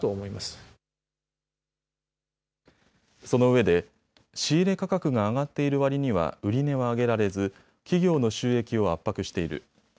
そのうえで仕入れ価格が上がっているわりには売値は上げられず企業の収益を圧迫している。